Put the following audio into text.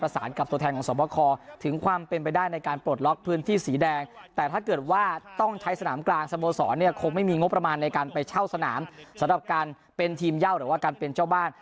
สอนเนี่ยคงไม่มีงบประมาณในการไปเช่าสนามสำหรับการเป็นทีมเย่าหรือว่าการเป็นเจ้าบ้าน